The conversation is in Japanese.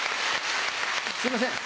すいません